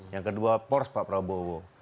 yang kedua pors pak prabowo